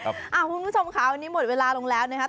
คุณผู้ชมค่ะวันนี้หมดเวลาลงแล้วนะครับ